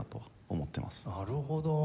なるほど。